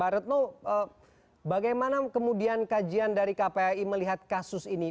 retno bagaimana kemudian kajian dari kpai melihat kasus ini